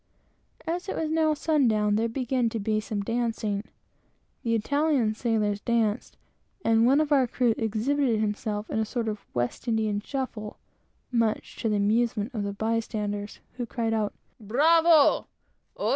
As it was now sundown, there began to be some dancing. The Italian sailors danced, and one of our crew exhibited himself in a sort of West India shuffle, much to the amusement of the bystanders, who cried out, "Bravo!"